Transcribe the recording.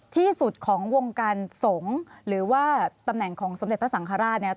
ที่สุดของวงการสงฆ์หรือว่าตำแหน่งของสมเด็จพระสังฆราชเนี่ย